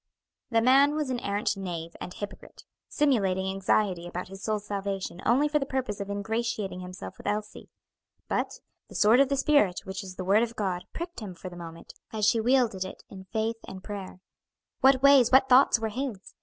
'" The man was an arrant knave and hypocrite, simulating anxiety about his soul's salvation only for the purpose of ingratiating himself with Elsie; but "the sword of the spirit, which is the word of God," pricked him for the moment, as she wielded it in faith and prayer. What ways, what thoughts were his!